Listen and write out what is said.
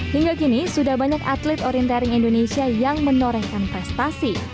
hingga kini sudah banyak atlet orientering indonesia yang menorehkan prestasi